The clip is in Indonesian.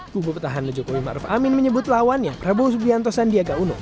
kubu petahan lejoko wimaruf amin menyebut lawannya prabowo subianto sandiaga uno